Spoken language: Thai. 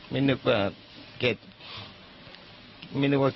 ไม่นึกว่าเก่จะมาแทงนี้